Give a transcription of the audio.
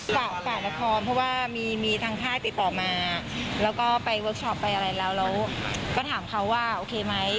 ฝ่ายละครเพราะว่ามีทางค่ายติดต่อมาแล้วก็ไปเวิร์คชอปไปอะไรแล้วแล้วก็ถามเขาว่าโอเคไหม